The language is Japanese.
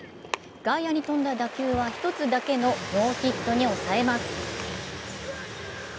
外野に飛んだ打球は１つだけのノーヒットに抑えます。